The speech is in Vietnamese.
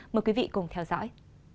mời quý vị cùng theo dõi